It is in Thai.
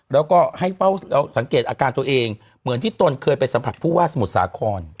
แล้วก็ให้เฝ้าสังเกตอาการตัวเองเหมือนที่ตนเคยไปสัมผัสผู้ว่าสมุทรสาคร